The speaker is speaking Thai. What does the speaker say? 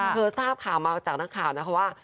ทราบข่าวมาจากนักข่าวนะคะว่า